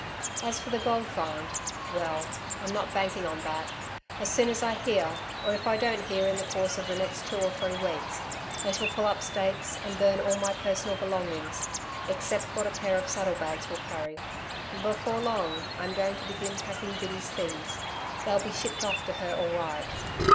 As for the gold find well, I'm not banking on that. As soon as I hear or if I don't hear in the course of the next two or three weeks I shall pull up stakes, and burn all my personal belongings, except what a pair of saddle bags will carry. Before long, I'm going to begin packing Biddy's things. They'll be shipped off to her all right.